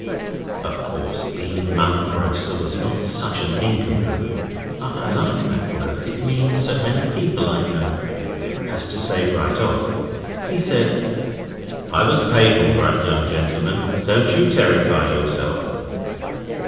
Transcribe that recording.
Of course B. Munn, grocer, was not such a nincompoop (I like that word, it means so many people I know) as to say right off. He said 'I was paid all right, young gentleman. Don't you terrify yourself.